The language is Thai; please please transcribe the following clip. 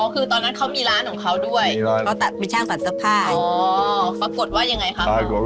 อ๋อคือตอนนั้นเขามีร้านของเขาด้วย